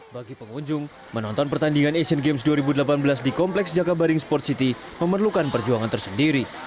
bagi pengunjung menonton pertandingan asian games dua ribu delapan belas di kompleks jakabaring sport city memerlukan perjuangan tersendiri